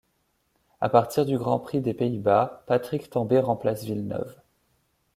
À partir du Grand Prix des Pays-Bas, Patrick Tambay remplace Villeneuve.